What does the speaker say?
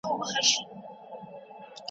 که مهال ویش وي نو درس نه قضا کیږي.